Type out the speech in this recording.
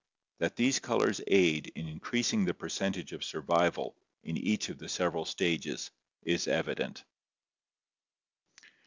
That these colors aid in increasing the percentage of survival in each of the several stages is evident.